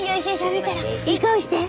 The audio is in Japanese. いい顔して。